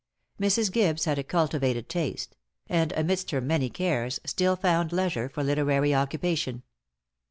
Mrs. Gibbes had a cultivated taste; and amidst her many cares, still found leisure for literary occupation.